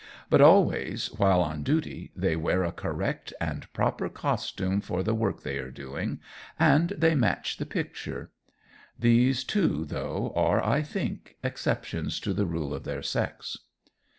But always, while on duty, they wear a correct and proper costume for the work they are doing, and they match the picture. These two, though, are, I think, exceptions to the rule of their sex.